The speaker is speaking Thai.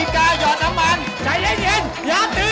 เขารอยรอยรอยรอย